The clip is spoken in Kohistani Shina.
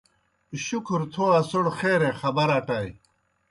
شُکھر تھو اسوْڑ خیرے خبر اٹَئے۔